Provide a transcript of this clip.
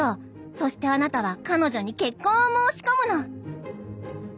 そしてあなたは彼女に結婚を申し込むの」。